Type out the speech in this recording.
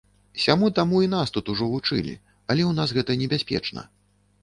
Сяму-таму і нас тут ужо вучылі, але ў нас гэта небяспечна.